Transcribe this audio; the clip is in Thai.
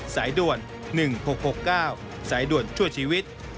สายด่วน๑๖๖๙สายด่วนชั่วชีวิต